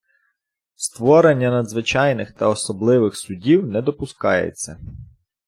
Створення надзвичайних та особливих судів не допускається.